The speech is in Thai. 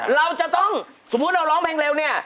เราจะต้องสมมุติเราร้องเพลงเร็วเนี่ย